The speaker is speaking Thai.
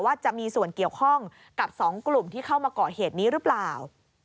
จะมีส่วนเกี่ยวข้องกับ๒กลุ่มที่เข้ามาก่อเหตุนี้หรือเปล่า